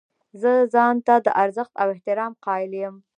زه ځان ته د ارزښت او احترام قایل یم.